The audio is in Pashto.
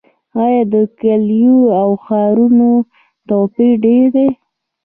آیا د کلیو او ښارونو توپیر ډیر دی؟